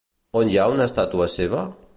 On hi ha una estàtua seva?